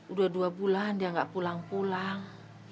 udah dua bulan dia nggak pulang pulang